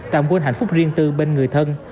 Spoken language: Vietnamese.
tạm quên hạnh phúc riêng tư bên người thân